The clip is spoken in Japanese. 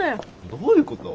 どういうこと？